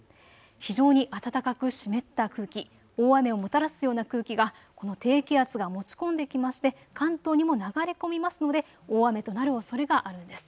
非常に暖かく湿った空気、大雨をもたらすような空気、この低気圧が持ち込んできまして関東にも流れ込みますので大雨となるおそれがあるんです。